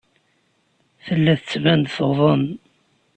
Tella tettban-d tuḍen.